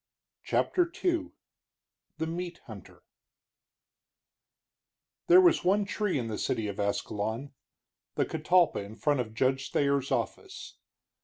CHAPTER II THE MEAT HUNTER There was one tree in the city of Ascalon, the catalpa in front of Judge Thayer's office.